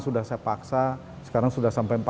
sudah saya paksa sekarang sudah sampai